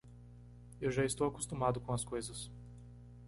Eu já estou acostumado com as coisas.